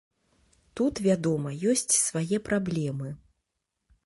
Тут, вядома, ёсць свае праблемы.